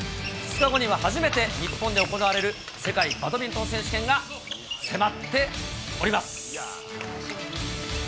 ２日後には初めて、日本で行われる世界バドミントン選手権が迫っております。